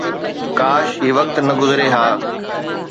ڪاش هي وقت نه گذري ها